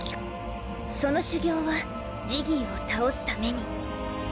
その修行はジギーを倒すために。